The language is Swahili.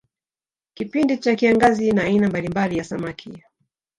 Kipindi cha kiangazi na aina mbalimbali ya samaki